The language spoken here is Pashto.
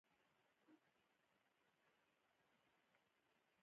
د انسان تعذیب منعه دی.